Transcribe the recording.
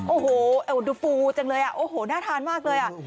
โอ้โหดูฟูจังเลยอ่ะโอ้โหน่าทานมากเลยอ่ะ